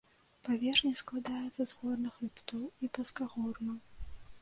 Паверхня складаецца з горных хрыбтоў і пласкагор'яў.